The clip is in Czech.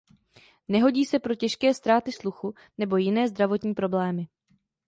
Nehodí se pro těžké ztráty sluchu nebo jiné zdravotní problémy.